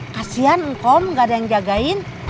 kasian engkau nggak ada yang jagain